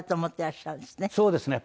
そうですね。